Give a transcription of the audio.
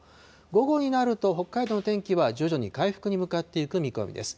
午後になると、北海道の天気は徐々に回復に向かっていく見込みです。